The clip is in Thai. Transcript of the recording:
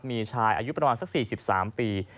มีชายอายุประมาณสัก๔๓ปี